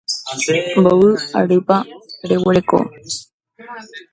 Mbovy arýpa reguereko.